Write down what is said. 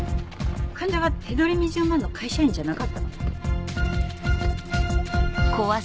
患者は手取り２０万の会社員じゃなかったの？